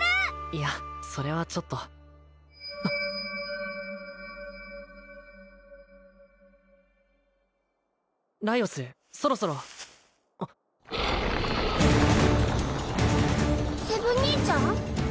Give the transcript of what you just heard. いやそれはちょっとライオスそろそろセブ兄ちゃん？